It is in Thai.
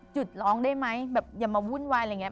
จุดร้องได้ไหมแบบอย่ามาวุ่นวายอะไรอย่างนี้